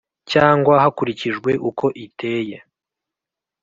cyangwa hakurikijwe uko iteye